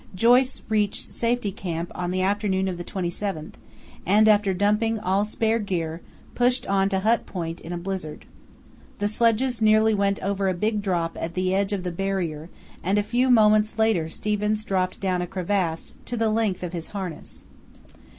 Joyce reached Safety Camp on the afternoon of the 27th, and, after dumping all spare gear, pushed on to Hut Point in a blizzard. The sledges nearly went over a big drop at the edge of the Barrier, and a few moments later Stevens dropped down a crevasse to the length of his harness.